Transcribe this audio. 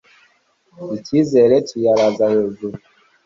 ikizere kikayaraza hejuru